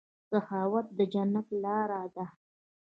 سخاوت د جنت لاره ده.